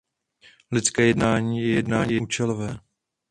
Lidské jednání je jednání účelové.